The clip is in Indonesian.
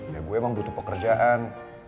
ya gue emang butuh pekerjaan